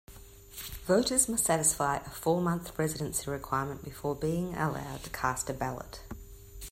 Voters must satisfy a four-month residency requirement before being allowed to cast a ballot.